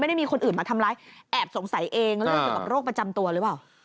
ได้มีคนอื่นมาทำร้ายแอบสงสัยเองเรื่องเกี่ยวกับโรคประจำตัวหรือเปล่า